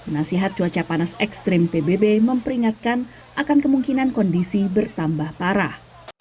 nasihat cuaca panas ekstrim pbb memperingatkan akan kemungkinan kondisi bertambah parah